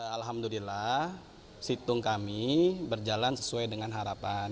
alhamdulillah situng kami berjalan sesuai dengan harapan